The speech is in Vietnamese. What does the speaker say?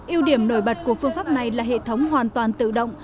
yêu điểm nổi bật của phương pháp này là hệ thống hoàn toàn tự động